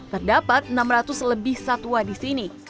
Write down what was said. terdapat enam ratus lebih satwa di sini